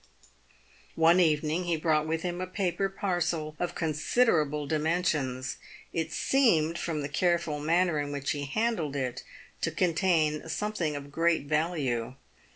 One evening, he brought with him a paper parcel of considerable dimensions. It seemed, from the careful manner in which he handled it, to contain something of great value.